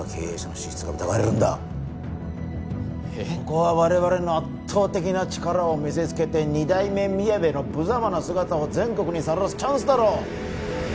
ここは我々の圧倒的な力を見せつけて二代目みやべの無様な姿を全国にさらすチャンスだろ！